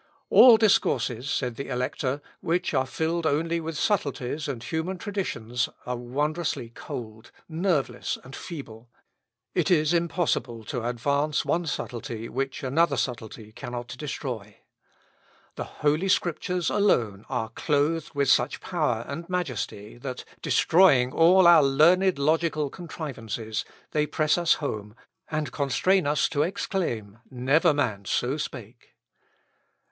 "All discourses," said the Elector, "which are filled only with subtleties and human traditions, are wondrously cold, nerveless, and feeble. It is impossible to advance one subtlety which another subtlety cannot destroy. The Holy Scriptures alone are clothed with such power and majesty, that, destroying all our learned logical contrivances, they press us home, and constrain us to exclaim, 'Never man so spake.'"